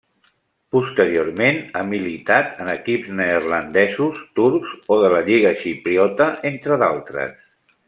Posteriorment ha militat en equips neerlandesos, turcs o de la lliga xipriota, entre d'altres.